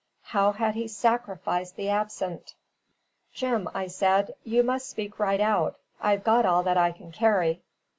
How had he sacrificed the absent? "Jim," I said, "you must speak right out. I've got all that I can carry."